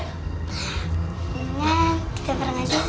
nih kita bareng aja